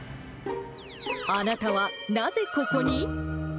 あなたはなぜここに？